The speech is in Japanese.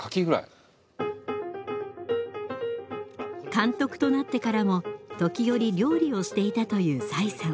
監督となってからも時折料理をしていたという崔さん。